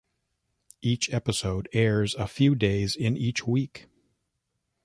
Each episode airs a few days in each week.